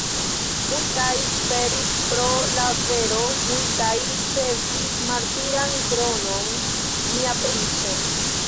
Multaj suferis pro la vero, multaj ricevis martiran kronon, mia princo!